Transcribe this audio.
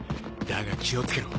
だが気を付けろ。